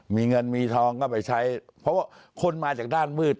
มีเงินมีทองก็ไปใช้เพราะว่าคนมาจากด้านมืด